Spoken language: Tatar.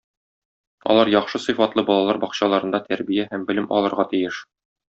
Алар яхшы сыйфатлы балалар бакчаларында тәрбия һәм белем алырга тиеш.